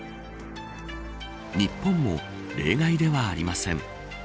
日本も例外ではありません。